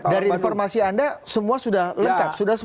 dari informasi anda semua sudah lengkap